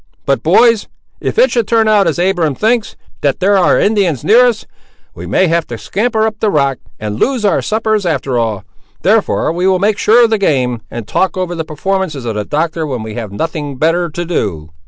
But, boys, if it should turn out as Abiram thinks, that there are Indians near us, we may have to scamper up the rock, and lose our suppers after all; therefore we will make sure of the game, and talk over the performances of the Doctor when we have nothing better to do."